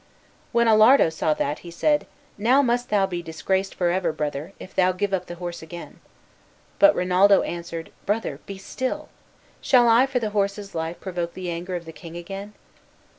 When Alardo saw that, he said, "Now must thou be disgraced forever, brother, if thou give up the horse again." But Rinaldo answered, "Brother, be still. Shall I for the horse's life provoke the anger of the king again?"